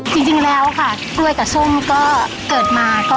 จริงแล้วค่ะ